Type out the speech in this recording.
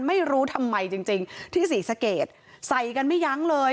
ไม่รู้ทำไมจริงจริงที่ศรีสะเกดใส่กันไม่ยั้งเลย